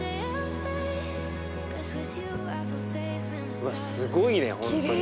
うわっすごいね本当に。